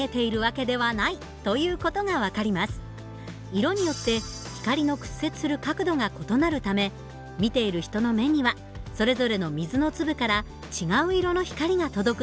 色によって光の屈折する角度が異なるため見ている人の目にはそれぞれの水の粒から違う色の光が届くのです。